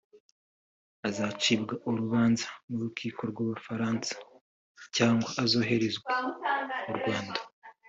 azacibwa urubanza n’urukiko rw’u Bufaransa cyangwa azoherezwa mu Rwanda